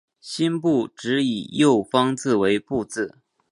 辛部只以右方为部字。